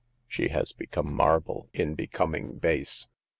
She has become marble in becoming base.